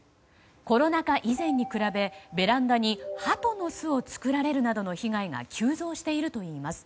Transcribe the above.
コロナ禍以前に比べベランダにハトの巣を作られるなどの被害が急増しているといいます。